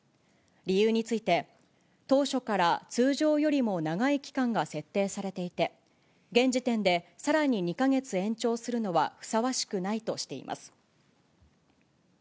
理由について、当初から通常よりも長い期間が設定されていて、現時点でさらに２か月延長するのはふさわしくないとしています。